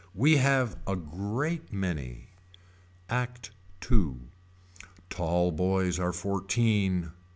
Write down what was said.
We have a great many. ACT II. Tall boys are fourteen.